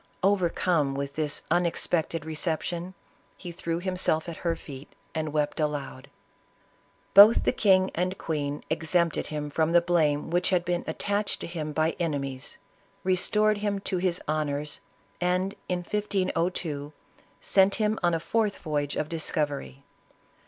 Over come with this unexpected reception, he threw himself at her feet and wept aloud. B< til the king and queen exempted him from the blame which had been attached to him by enemies, re stored him to his honors, and, in 1502, sent him on a fourth voyage o£ discovery.